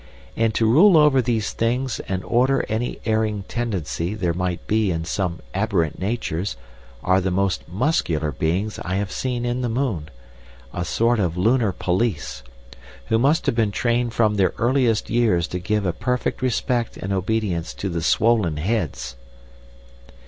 And to rule over these things and order any erring tendency there might be in some aberrant natures are the most muscular beings I have seen in the moon, a sort of lunar police, who must have been trained from their earliest years to give a perfect respect and obedience to the swollen heads.